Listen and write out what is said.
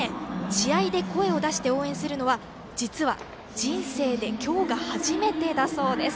試合で声を出して応援するのは実は、人生で今日が初めてだそうです。